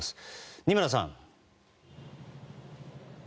二村さん。